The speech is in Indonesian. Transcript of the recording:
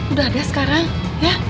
udah ada sekarang ya